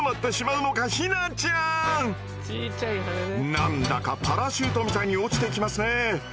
何だかパラシュートみたいに落ちてきますね。